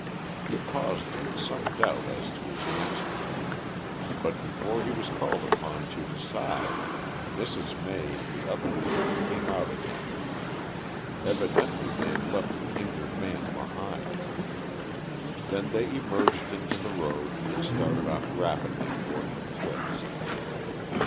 He paused in some doubt as to his next move, but before he was called upon to decide, Mrs. May and the other native came out again. Evidently they had left the injured man behind. Then they emerged into the road and started off rapidly toward the cliffs.